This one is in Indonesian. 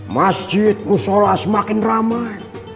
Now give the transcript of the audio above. masjid musyola semakin ramai